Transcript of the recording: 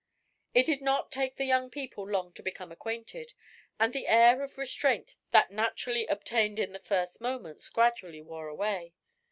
It did not take the young people long to become acquainted, and the air of restraint that naturally obtained in the first moments gradually wore away.